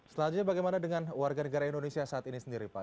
selanjutnya bagaimana dengan warga negara indonesia saat ini sendiri pak